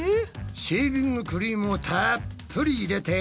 シェービングクリームをたっぷり入れて。